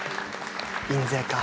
印税か。